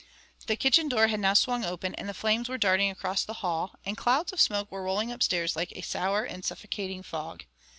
The kitchen door had now swung open, and the flames were darting across the hall; and clouds of smoke were rolling upstairs like a sour and suffocating fog.